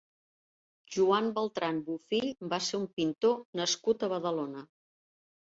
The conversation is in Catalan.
Joan Beltran Bofill va ser un pintor nascut a Badalona.